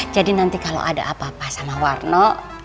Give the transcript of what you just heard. jadi nanti kalau ada apa apa sama warno